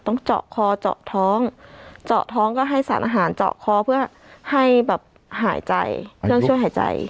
ต้องเจาะคอเจาะท้องเจาะท้องก็ให้สารอาหารเจาะคอเพื่อให้แบบหายใจเครื่องช่วยหายใจ